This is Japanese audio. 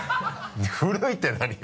古いって何よ？